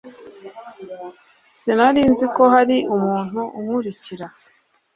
Sinari nzi ko hari umuntu unkurikira